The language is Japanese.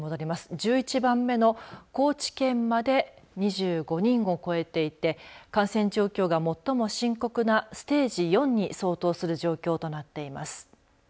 １１番目の高知県まで２５人を超えていて感染状況が最も深刻なステージ４に相当する状況となっています。